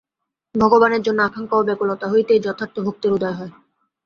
ভগবানের জন্য আকাঙ্ক্ষা ও ব্যাকুলতা হইতেই যথার্থ ভক্তির উদয় হয়।